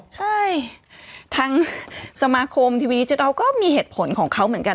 ใช่ทั้งสมาคมทีวีดิจิทัลก็มีเหตุผลของเขาเหมือนกัน